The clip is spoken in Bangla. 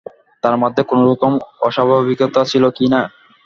তাঁর মধ্যে কোনো রকম অস্বাভাবিকতা ছিল কি না।